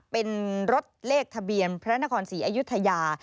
เป็นรถเลขทะเบียนพระนครศรีอยุธยา